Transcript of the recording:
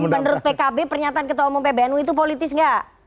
jadi menurut pkb pernyataan ketua umum pbnu itu politis gak